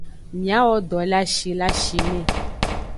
Miawo do le ashi le ashime.